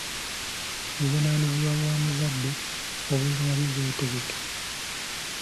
buvunaanyizibwa bwa muzadde obutali bwetegekere